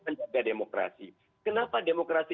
menjaga demokrasi kenapa demokrasi